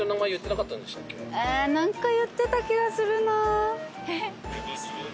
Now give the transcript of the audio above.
え何か言ってた気がするな。